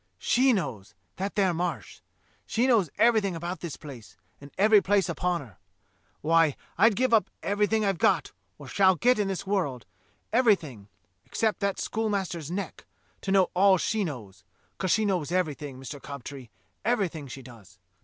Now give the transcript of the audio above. "She knows, that there Marsh. She knows everything about this place, and every place upon her. Why, I'd give up everything I've got or shall get in this world, every thing — except that schoolmaster's neck — to know all she knows, 'cos she knows everything, Mister Cob tree, everything, she does.